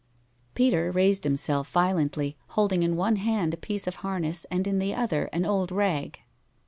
Peter raised himself violently, holding in one hand a piece of harness, and in the other an old rag.